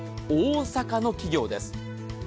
大阪の企業です。